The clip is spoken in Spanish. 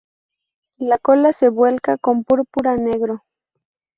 La cola se vuelca con púrpura-negro.